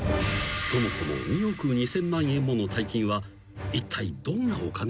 ［そもそも２億２，０００万円もの大金はいったいどんなお金なのか？］